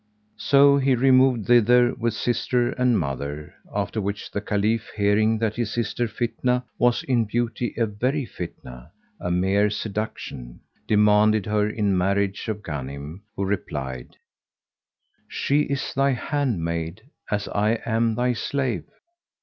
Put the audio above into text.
So he removed thither with sister and mother; after which the Caliph, hearing that his sister Fitnah was in beauty a very "fitnah,"[FN#137] a mere seduction, demanded her in marriage of Ghanim who replied, "She is thy handmaid as I am thy slave."